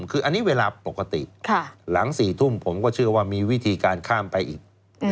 คืออันนี้เวลาปกติหลัง๔ทุ่มผมก็เชื่อว่ามีวิธีการข้ามไปอีก